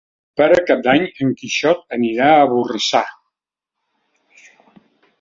Per Cap d'Any en Quixot anirà a Borrassà.